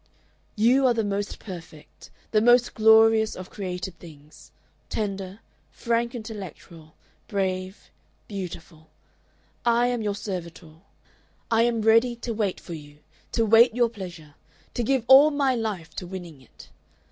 "You are the most perfect, the most glorious of created things tender, frank intellectual, brave, beautiful. I am your servitor. I am ready to wait for you, to wait your pleasure, to give all my life to winning it.